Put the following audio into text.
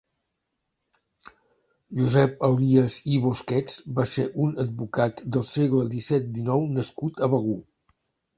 Josep Elies i Bosquets va ser un advocat del segle disset-dinou nascut a Begur.